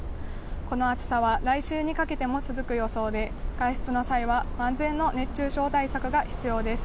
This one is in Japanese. この暑さは来週にかけても続く予想で、外出の際は万全の熱中症対策が必要です。